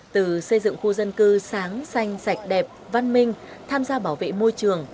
từ xây dựng khu dân cư sáng xanh sạch đẹp văn minh tham gia bảo vệ môi trường